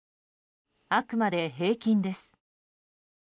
あくまで平均です。